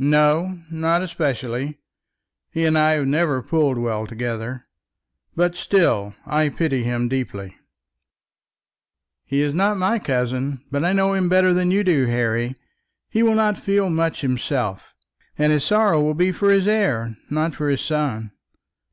"No, not especially. He and I have never pulled well together; but still I pity him deeply." "He is not my cousin, but I know him better than you do, Harry. He will not feel much himself, and his sorrow will be for his heir, not for his son.